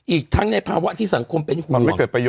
อีกทั้งในภาวะที่สังคมเป็นห่วง